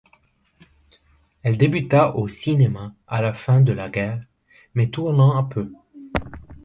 Elle débuta au cinéma à la fin de la guerre, mais tourna peu.